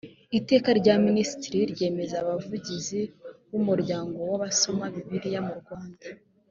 iteka rya minisitiri ryemeza abavugizi b umuryango w abasoma bibiriya mu rwanda